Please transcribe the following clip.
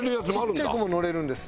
ちっちゃい子も乗れるんです。